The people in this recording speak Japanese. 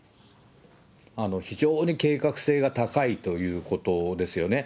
非常に計画性が高いということですよね。